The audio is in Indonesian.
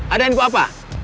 ada yang buat apa